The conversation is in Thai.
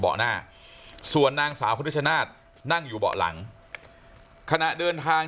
หน้าส่วนนางสาวพนุชชนาศนั่งอยู่เบาะหลังขณะเดินทาง